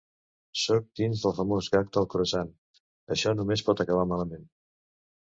Sóc dins del famós gag del “croissant”, això només pot acabar malament!